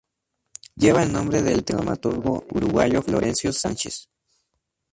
Lleva el nombre del dramaturgo uruguayo Florencio Sánchez.